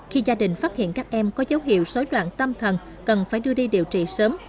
khi gia đình phát hiện các em có dấu hiệu xối loạn tâm thần cần phải đưa đi điều trị sớm